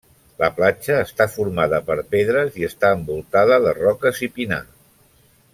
La platja està formada per pedres i està envoltada de roques i pinar.